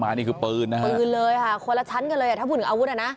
นี่คือปืนนะฮะปืนเลยค่ะคนละชั้นกันเลยอ่ะถ้าพูดถึงอาวุธอ่ะนะ